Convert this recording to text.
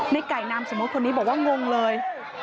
ในไก่นามสมมุติคนนี้บอกว่างงเลย